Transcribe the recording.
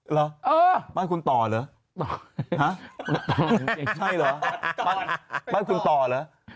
หรือบ้านคุณต่อเหรอฮะใช่หรือบ้านคุณต่อเหรอ